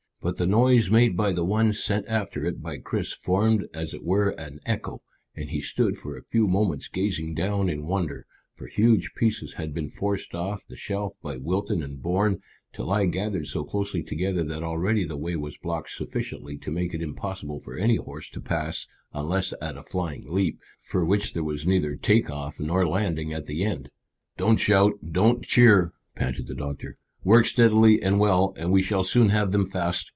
But the noise made by the one sent after it by Chris formed as it were an echo, and he stood for a few moments gazing down in wonder, for huge pieces had been forced off the shelf by Wilton and Bourne, to lie gathered so closely together that already the way was blocked sufficiently to make it impossible for any horse to pass unless at a flying leap, for which there was neither take off nor landing at the end. "Don't shout. Don't cheer," panted the doctor. "Work steadily and well, and we shall soon have them fast."